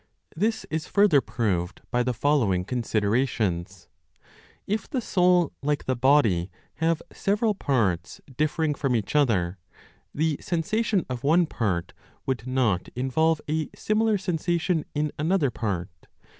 This is further proved by the following considerations. If the soul, like the body, have several parts differing from each other, the sensation of one part would not involve a similar sensation in another part.